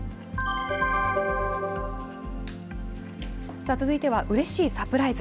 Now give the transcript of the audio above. さあ、続いてはうれしいサプライズ。